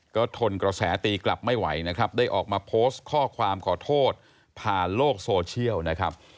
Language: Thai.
ก็ทนกระแสตีกลับไม่ไหวนะครับได้ออกมาโพสต์ข้อความขอโทษผ่านโลกโซเชียลนะครับ